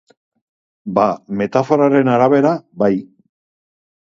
Ba, metaforaren arabera, bai.